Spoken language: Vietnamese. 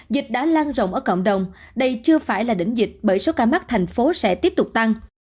dịch đã lan rộng ở cộng đồng đây chưa phải là đỉnh dịch bởi số ca mắc thành phố sẽ tiếp tục tăng